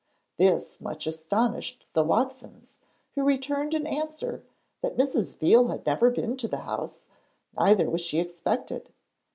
This much astonished the Watsons, who returned an answer that Mrs. Veal had never been to the house, neither was she expected.